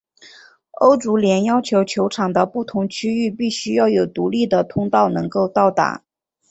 欧足联要求球场的不同区域必须要有独立的通道能够到达。